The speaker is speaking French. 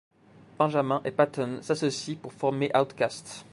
Benjamin et Patton s'associent pour former Outkast.